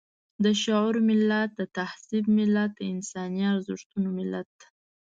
د شعور ملت، د تهذيب ملت، د انساني ارزښتونو ملت.